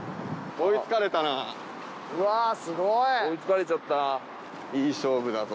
追いつかれちゃったな。